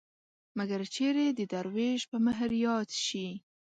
مګر چېرې د دروېش په مهر ياد شي